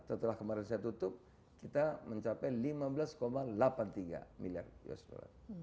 setelah kemarin saya tutup kita mencapai lima belas delapan puluh tiga miliar usd